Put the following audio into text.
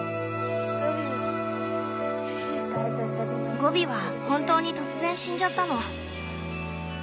ゴビは本当に突然死んじゃったの。